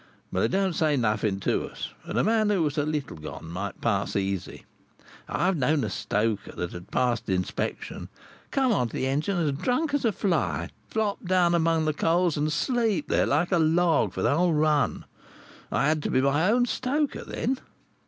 But they don't say nothing to us, and a man who was a little gone might pass easy. I've known a stoker that had passed the inspection, come on to the engine as drunk as a fly, flop down among the coals, and sleep there like a log for the whole run. I had to be my own stoker then.